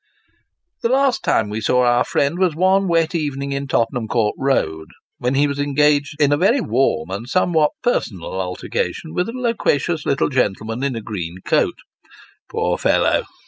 The last time we saw our friend was one wet evening in Tottenham Court Eoad, when he was engaged in a very warm and somewhat personal altercation with a loquacious little gentleman in a green coat. Poor fellow